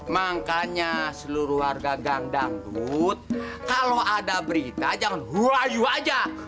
makanya seluruh warga gang dangdut kalau ada berita jangan huayu aja